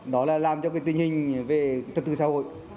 đó là làm cho cái tình hình về trật tự xã hội